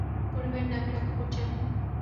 পরিবারের নামই রক্ষা করছি আমি।